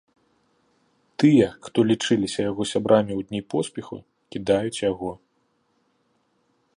Тыя, хто лічыліся яго сябрамі ў дні поспеху, кідаюць яго.